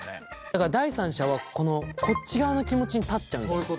だから第三者はこのこっち側の気持ちに立っちゃうんじゃない？